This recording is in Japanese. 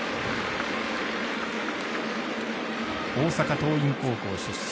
大阪桐蔭高校出身。